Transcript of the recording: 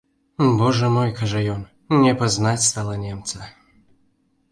Божа мой, кажа ён, не пазнаць стала немца.